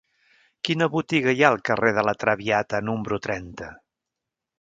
Quina botiga hi ha al carrer de La Traviata número trenta?